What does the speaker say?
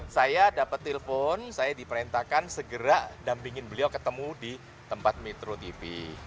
saya dapat telepon saya diperintahkan segera dampingin beliau ketemu di tempat metro tv